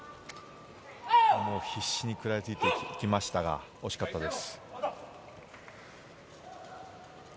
もう必死に食らいついていきましたが惜しかったです。